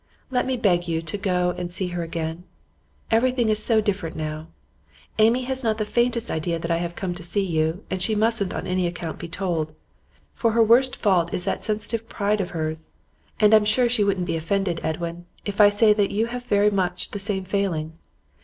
Let me beg you to go and see her again. Everything is so different now. Amy has not the faintest idea that I have come to see you, and she mustn't on any account be told, for her worst fault is that sensitive pride of hers. And I'm sure you won't be offended, Edwin, if I say that you have very much the same failing.